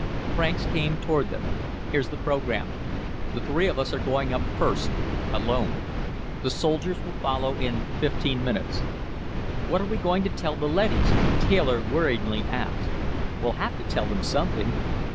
Franks came toward them. "Here's the program. The three of us are going up first, alone. The soldiers will follow in fifteen minutes." "What are we going to tell the leadys?" Taylor worriedly asked. "We'll have to tell them something."